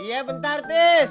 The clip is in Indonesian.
iya bentar des